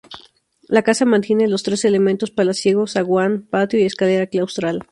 La casa mantiene los tres elementos palaciegos: zaguán, patio y escalera claustral.